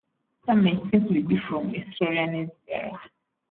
Some may simply be from a historian's errors.